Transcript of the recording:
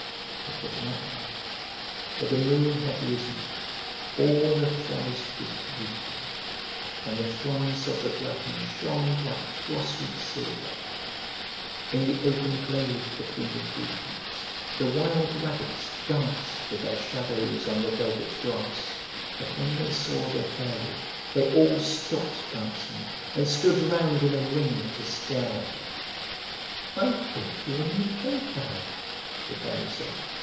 It was light now, for the moon had risen. All the forest was beautiful, and the fronds of the bracken shone like frosted silver. In the open glade between the tree trunks the wild rabbits danced with their shadows on the velvet grass, but when they saw the Fairy they all stopped dancing and stood round in a ring to stare at her. "I've brought you a new playfellow," the Fairy said.